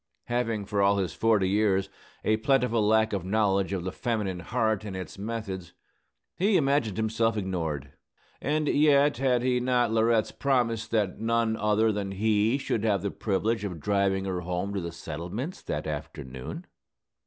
Having, for all his forty years, a plentiful lack of knowledge of the feminine heart and its methods, he imagined himself ignored. And yet had he not Laurette's promise that none other than he should have the privilege of driving her home to the settlements that afternoon?